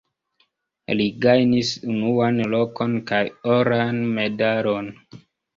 Li gajnis unuan lokon kaj oran medalon.